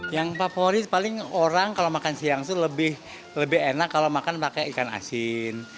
yang favorit paling orang kalau makan siang itu lebih enak kalau makan pakai ikan asin